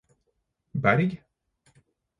Berg